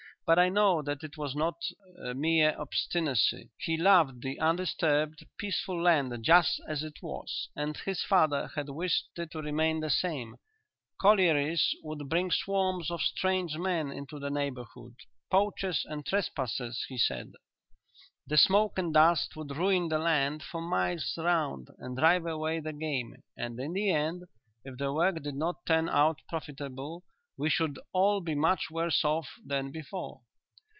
But I know that it was not mere obstinacy. He loved the undisturbed, peaceful land just as it was, and his father had wished it to remain the same. Collieries would bring swarms of strange men into the neighbourhood, poachers and trespassers, he said. The smoke and dust would ruin the land for miles round and drive away the game, and in the end, if the work did not turn out profitable, we should all be much worse off than before."